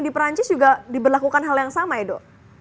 di perancis juga diberlakukan hal yang sama edo